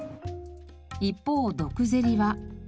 一方ドクゼリは。